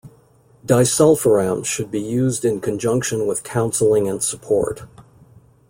Disulfiram should be used in conjunction with counseling and support.